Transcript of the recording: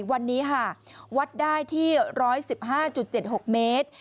วันนี้ค่ะวัดได้ที่๑๑๕๗๖เมตร